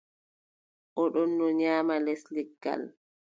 O ɗon nyaama les leggal.